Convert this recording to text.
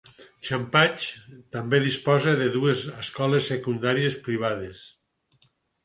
Champaig també disposa de dues escoles secundàries privades.